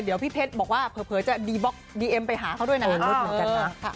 เดี๋ยวพี่เพชรบอกว่าเผลอจะบีเอ็มไปหาเขาด้วยนะ